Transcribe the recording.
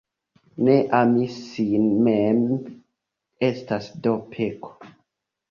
Ne ami sin mem, estas do peko.